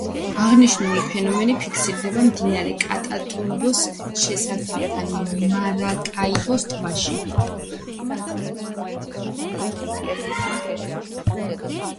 აღნიშნული ფენომენი ფიქსირდება მდინარე კატატუმბოს შესართავთან, მარაკაიბოს ტბაში.